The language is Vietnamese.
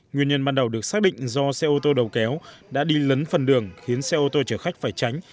nguyên nhân ban đầu được xác định do xe ô tô đầu kéo đã đi lấn phần đường khiến xe ô tô chở khách phải tránh